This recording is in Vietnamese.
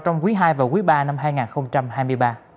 trong quý hai và quý ba năm hai nghìn hai mươi ba